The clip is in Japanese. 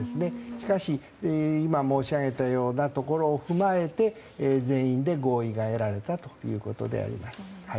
しかし、今申し上げたようなところを踏まえて全員で合意が得られたということです。